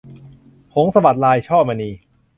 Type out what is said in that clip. หงส์สะบัดลาย - ช่อมณี